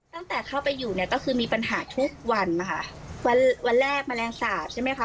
ตั้งแต่เข้าไปอยู่เนี่ยก็คือมีปัญหาทุกวันนะคะวันวันแรกแมลงสาปใช่ไหมคะ